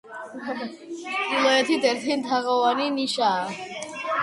ჩრდილოეთით ერთი თაღოვანი ნიშაა.